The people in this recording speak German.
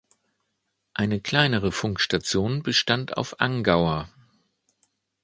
Eine kleinere Funkstation bestand auf Angaur.